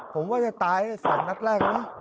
ผมว่าจะตาย๓นัดแรกนะ